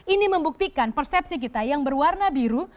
ini membuktikan persepsi kita yang berwarna biru